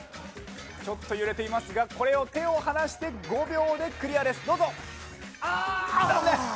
ちょっと揺れていますが手を離して５秒でクリアですどうぞ。